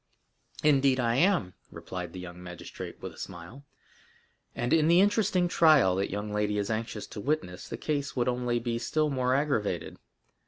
"Indeed I am," replied the young magistrate with a smile; "and in the interesting trial that young lady is anxious to witness, the case would only be still more aggravated.